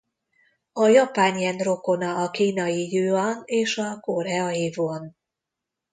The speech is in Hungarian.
A japán jen rokona a kínai jüan és a koreai von.